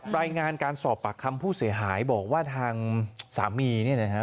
รายงานการสอบปากคำผู้เสียหายบอกว่าทางสามีเนี่ยนะฮะ